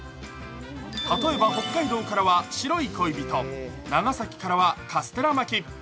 例えば北海道からは白い恋人、長崎からはカステラ巻。